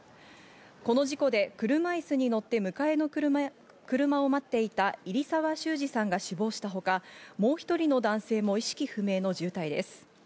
この事故で車椅子に乗って迎えの車を待っていた入沢周史さんが死亡したほか、もう１人の男性も意識不明の重体です。